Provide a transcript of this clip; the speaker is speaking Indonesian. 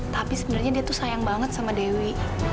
tapi sebenarnya dia tuh sayang banget sama dewi